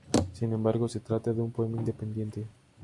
Sin embargo, se trata de un poema independiente.